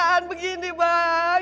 kenapa begini bang